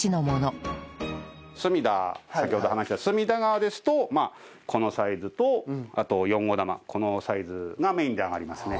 隅田先ほど話した隅田川ですとこのサイズとあと４号玉このサイズがメインであがりますね。